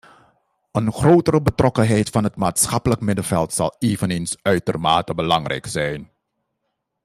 Een grotere betrokkenheid van het maatschappelijk middenveld zal eveneens uitermate belangrijk zijn.